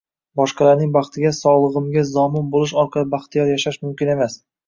Boshqalar baxtiga, sog`lig`iga zomin bo`lish orqali bahtiyor yashash mumkin emas